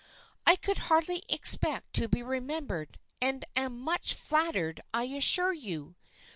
"I could hardly expect to be remembered, and am much flattered, I assure you.